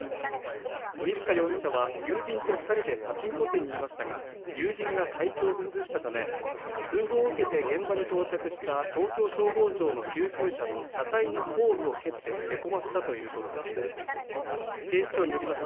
鬼束容疑者は、友人と２人でパチンコ店にいましたが友人が体調を崩したため、通報を受けて現場に到着した東京消防庁の救急車の車体の後部を蹴ってへこませたということです。